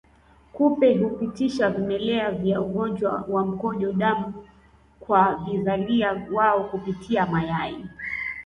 Kupe hupitisha vimelea vya ugonjwa wa mkojo damu kwa vizalia wao kupitia mayai